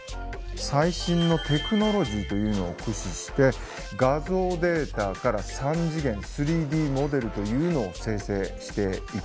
最新のテクノロジーというのを駆使して画像データから３次元３Ｄモデルというのを生成していきました。